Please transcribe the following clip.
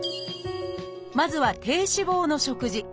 まずは「低脂肪の食事」。